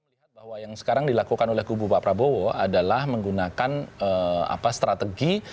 melihat bahwa yang sekarang dilakukan oleh kubu pak prabowo adalah menggunakan strategi